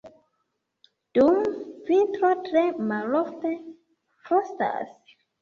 Dum vintro tre malofte frostas.